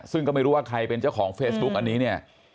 ซึ่งก็ไม่รู้ว่าใครเป็นเจ้าของเฟซบุ๊กอันนี้เนี่ย